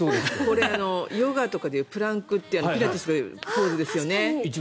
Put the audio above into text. これ、ヨガとかでいうプランクというピラティスでやるポーズですよね。